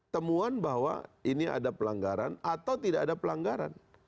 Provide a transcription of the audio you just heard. temuan bahwa ini ada pelanggaran atau tidak ada pelanggaran